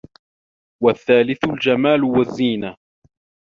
وَالثَّالِثُ الْجَمَالُ وَالزِّينَةُ